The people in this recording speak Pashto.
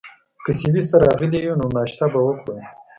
که سویس ته راغلي یو، نو ناشته به وکړو.